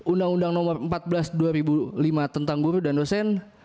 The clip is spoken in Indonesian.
undang undang nomor empat belas dua ribu lima tentang guru dan dosen